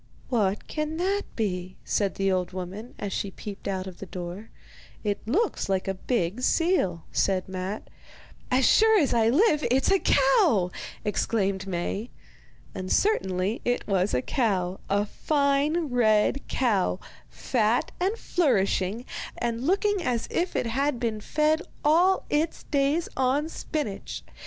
'What can that be?' said the old woman, as she peeped out of the door. 'It looks like a big seal,' said Matte. 'As sure as I live, it's a cow!' exclaimed Maie. And certainly it was a cow, a fine red cow, fat and flourishing, and looking as if it had been fed all its days on spinach.